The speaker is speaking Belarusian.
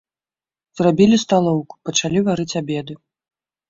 Зрабілі сталоўку, пачалі варыць абеды.